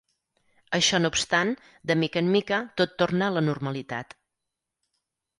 Això no obstant, de mica en mica tot torna a la normalitat.